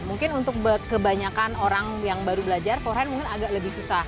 mungkin untuk kebanyakan orang yang baru belajar foreign mungkin agak lebih susah